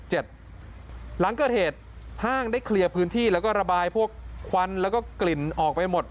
หลังเกิดเหตุห้างได้เคลียร์พื้นที่แล้วก็ระบายพวกควันแล้วก็กลิ่นออกไปหมด